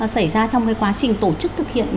xảy ra trong cái quá trình tổ chức thực hiện